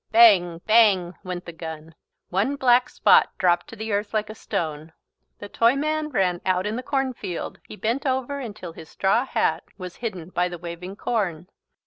"Bang, bang!" went the gun. One black spot dropped to the earth like a stone. The Toyman ran out in the cornfield. He bent over until his straw hat was hidden by the waving corn.